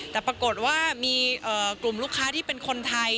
แต่ปรากฏว่ามีกลุ่มลูกค้าที่เป็นคนไทย